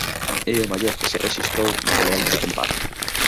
É o maior que se rexistrou no que levamos de tempada.